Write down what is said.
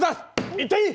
行っていい！